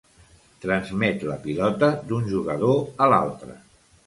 Transmet la pilota d'un jugador a l'altre.